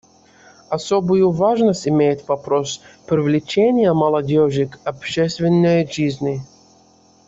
Особую важность имеет вопрос привлечения молодежи к общественной жизни.